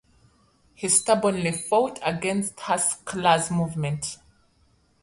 He stubbornly fought against the Haskalah movement.